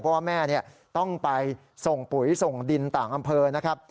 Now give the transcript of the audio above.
เพราะว่าแม่ต้องไปส่งปุ๋ยส่งดินต่างอำเภอนะครับ